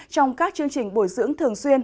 trong các chương trình bồi dưỡng thường xuyên